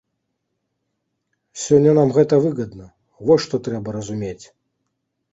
Сёння нам гэта выгадна, вось што трэба разумець.